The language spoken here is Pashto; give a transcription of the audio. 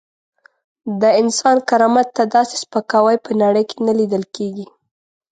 د انسان کرامت ته داسې سپکاوی په نړۍ کې نه لیدل کېږي.